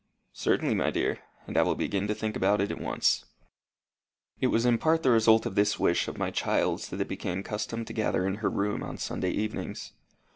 "Certainly, my dear; and I will begin to think about it at once." It was in part the result of this wish of my child's that it became the custom to gather in her room on Sunday evenings.